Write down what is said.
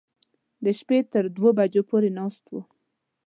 د شپې تر دوو بجو پورې ناست و.